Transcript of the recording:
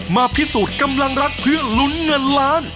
มาพิสูจน์กำลังรักเพื่อลุ้นเงินล้าน